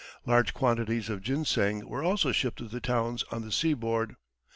Large quantities of ginseng were also shipped to the towns on the seaboard.